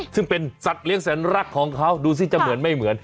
ซึ่งเป็นสัตว์เลี้ยแสนรักของเขาดูสิจะเหมือนไม่เหมือน